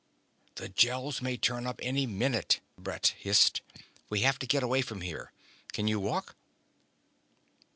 "The Gels may turn up any minute," Brett hissed. "We have to get away from here. Can you walk?"